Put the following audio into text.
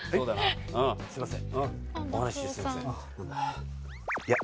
すみません。